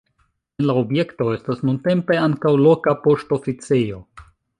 En la objekto estas nuntempe ankaŭ loka poŝtoficejo.